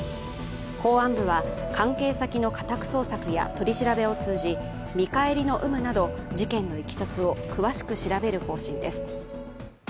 公安部は関係先の家宅捜索や取り調べを通じ見返りの有無など、事件のいきさつを詳しく調べる方針です。